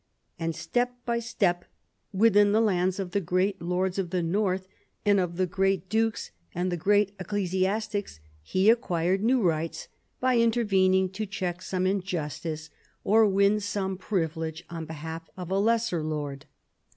And step by step within the lands of the great lords of the north, of the great dukes and the great ecclesiastics, he acquired new rights, by intervening to check some injustice or win some privilege on behalf of a lesser lord.